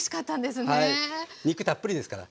肉たっぷりですから。